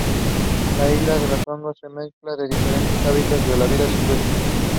The Government took responsibility for acquiring the land needed for the stadium.